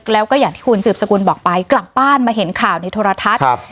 แล้วก็อย่างที่คุณสืบสกุลบอกไปกลับบ้านมาเห็นข่าวในโทรทัศน์